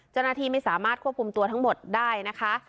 เจ้าหน้าที่ไม่สามารถควบคุมตัวทั้งหมดได้นะคะ